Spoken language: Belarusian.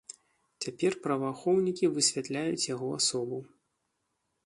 Цяпер праваахоўнікі высвятляюць яго асобу.